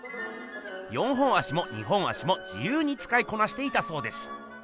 ４本足も２本足も自ゆうにつかいこなしていたそうです。